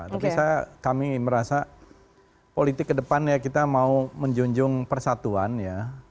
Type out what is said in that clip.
tapi kami merasa politik kedepannya kita mau menjunjung persatuan ya